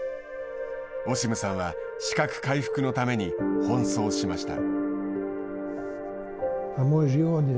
オシムさんは資格回復のために奔走しました。